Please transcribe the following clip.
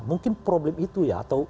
mungkin problem itu ya